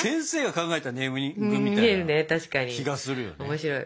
面白い。